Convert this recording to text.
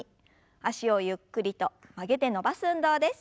脚をゆっくりと曲げて伸ばす運動です。